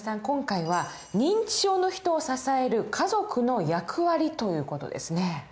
今回は認知症の人を支える家族の役割という事ですね。